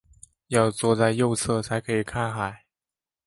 要坐在右侧才可以看海